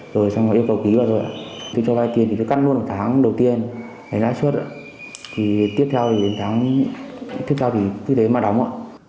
rồi xong rồi yêu cầu ký vào rồi ạ tôi cho vai tiền thì tôi cắt luôn một tháng đầu tiên lấy lãi suất ạ thì tiếp theo thì đến tháng tiếp theo thì cứ thế mà đóng ạ